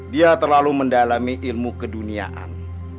dia terlalu mendalami ilmu keduniaan